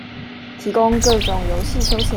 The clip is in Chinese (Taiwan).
提供各種遊憩休閒